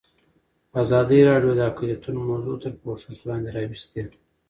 ازادي راډیو د اقلیتونه موضوع تر پوښښ لاندې راوستې.